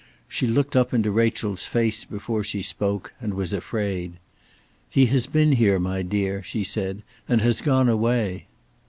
She looked up into Rachel's face before she spoke, and was afraid. "He has been here, my dear," she said, "and has gone away."